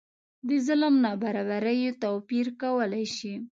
د ظلم نابرابریو توپیر کولای شي.